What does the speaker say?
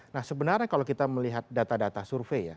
nah sebenarnya kalau kita melihat data data survei ya